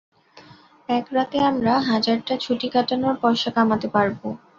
এক রাতে আমরা হাজারটা ছুটি কাটানোর পয়সা কামাতে পারব।